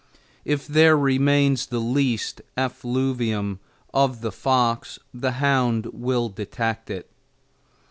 If there remains the least effluvium of the fox the hound will detect it.